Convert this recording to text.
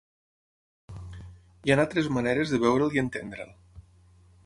Hi han altres maneres de veure’l i entendre’l.